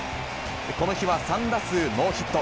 この日は３打数ノーヒット。